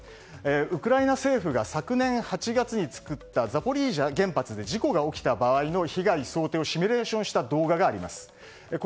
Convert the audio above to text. ウクライナ政府が昨年８月に作ったザポリージャ原発で事故が起きた場合の被害想定をシミュレーションした動画があります。